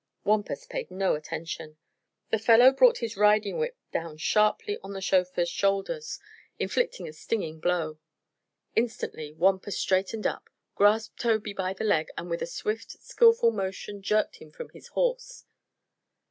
Wampus paid no attention. The fellow brought his riding whip down sharply on the chauffeur's shoulders, inflicting a stinging blow. Instantly little Wampus straightened up, grasped Tobey by the leg and with a swift, skillful motion jerked him from his horse.